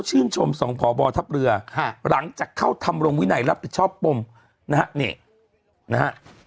ชมสองพบทัพเรือหลังจากเข้าทำรงวินัยรับผิดชอบปมนะฮะนี่นะฮะ